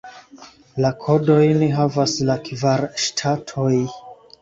La kodojn havas la kvar ŝtatoj.